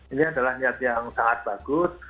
ini adalah niat yang sangat bagus